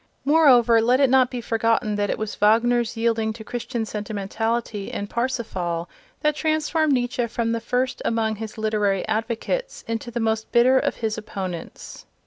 Moreover, let it not be forgotten that it was Wagner's yielding to Christian sentimentality in "Parsifal" that transformed Nietzsche from the first among his literary advocates into the most bitter of his opponents.